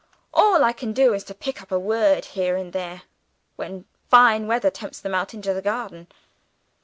All I can do is to pick up a word, here and there, when fine weather tempts them out into the garden.